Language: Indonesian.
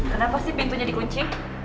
kenapa sih pintunya dikunci